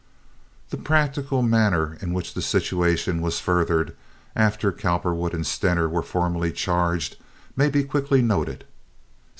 The practical manner in which the situation was furthered, after Cowperwood and Stener were formally charged may be quickly noted.